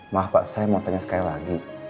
maaf pak saya mau tanya sekali lagi